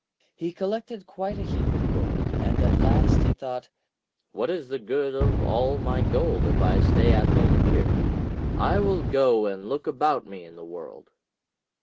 He collected quite a heap of gold, and at last he thought: 'What is the good of all my gold if I stay at home here? I will go and look about me in the world.'